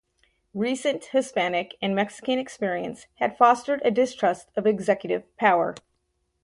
Recent Hispanic and Mexican experience had fostered a distrust of executive power.